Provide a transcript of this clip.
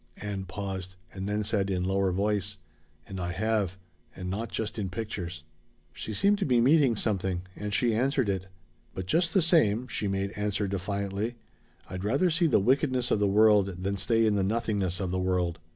Ann paused, and then said in lower voice: "And I have and not just in pictures." She seemed to be meeting something, and she answered it. "But just the same," she made answer defiantly, "I'd rather see the wickedness of the world than stay in the nothingness of the world!